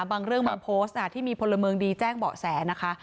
บางเรื่องบางโพสต์ที่มีพลเมืองดีแจ้งเบาะแสนะคะ